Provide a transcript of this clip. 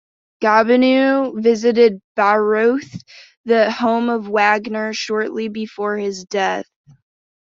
Gobineau visited Bayreuth, the home of Wagner, shortly before his death.